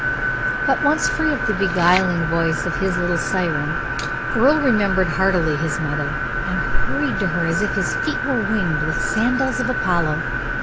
But once free of the beguiling voice of his little siren, Earle remembered heartily his mother, and hurried to her as if his feet were winged with the sandals of Apollo.